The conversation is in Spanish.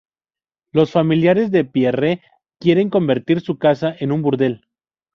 Los familiares de Pierre quieren convertir su casa en un burdel.